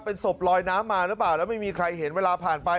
เป็นศพลอยน้ำมาหรือเปล่าแล้วไม่มีใครเห็นเวลาผ่านไป